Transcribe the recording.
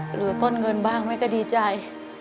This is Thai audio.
หรือต้นเงินบ้างแม่ก็ดีใจ